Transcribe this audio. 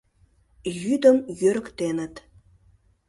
Йӱдым йӧрыктеныт.